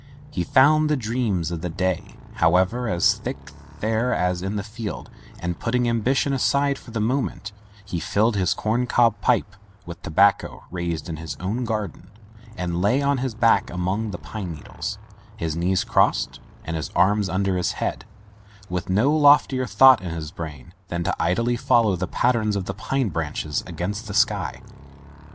He found the dreams of the day, however, as thick there as in the field, and putting ambition aside for the moment, he filled his corn cob pipe with tobacco raised in his own garden and lay on his back among the pine needles, his knees crossed and his arms under his head, with no loftier thought in his brain than to idly follow the pattern of the pine branches against the sky.